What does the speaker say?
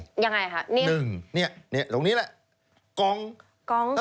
มันยังไงค่ะ